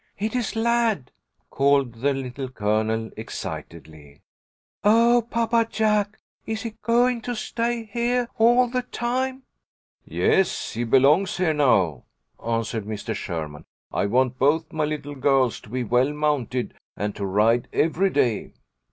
"It is Lad!" called the Little Colonel, excitedly. "Oh, Papa Jack! Is he goin' to stay heah all the time?" "Yes, he belongs here now," answered Mr. Sherman. "I want both my little girls to be well mounted, and to ride every day."